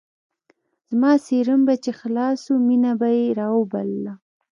زما سيروم به چې خلاص سو مينه به يې راوبلله.